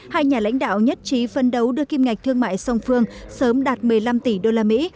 hai nhà lãnh đạo nhất trí phân đấu đưa kim ngạch thương mại song phương sớm đạt một mươi năm tỷ usd